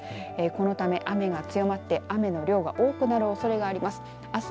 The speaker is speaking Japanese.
このため雨が強まって雨の量が多くなるおそれがあります。